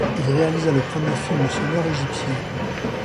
Il réalisa le premier film sonore égyptien.